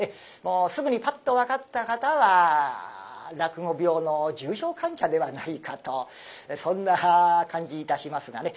すぐにパッと分かった方は落語病の重症患者ではないかとそんな感じいたしますがね。